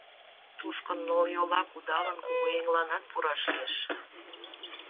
Тушко, нылйола кудалын, кугыеҥланат пураш лиеш.